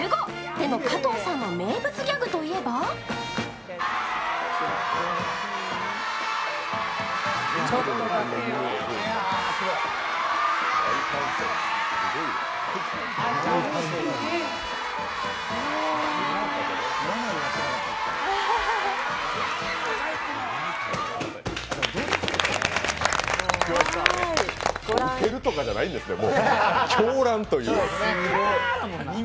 でも加藤さんの名物ギャグといえばウケるとかじゃないんですすよ、狂乱という。